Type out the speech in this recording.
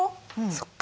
そっか。